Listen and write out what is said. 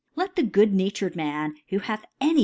Let the good natured Man, who hath any